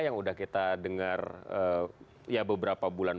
yang udah kita dengar ya beberapa bulan